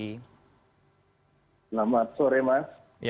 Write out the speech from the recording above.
selamat sore mas